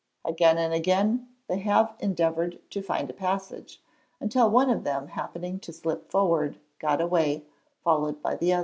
Again and again they have endeavoured to find a passage, until one of them happening to slip forward, got away, followed by the others!